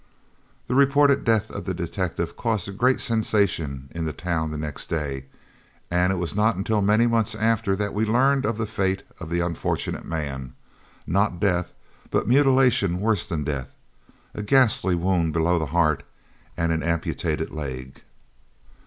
The reported death of the detective caused a great sensation in the town next day, and it was not until many months after that we learned of the fate of the unfortunate man, not death, but mutilation worse than death a ghastly wound below the heart and an amputated leg.